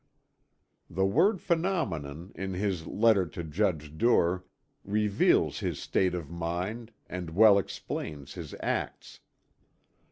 The word "phenomenon" in his letter to Judge Duer reveals his state of mind and well explains his acts.